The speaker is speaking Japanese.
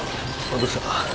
どうした？